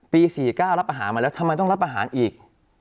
๔๙รับอาหารมาแล้วทำไมต้องรับอาหารอีก